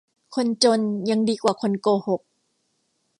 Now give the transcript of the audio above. คนจนยังดีกว่าคนโกหก